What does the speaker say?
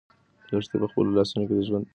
لښتې په خپلو لاسو کې د ژوند سختۍ تجربه کړې.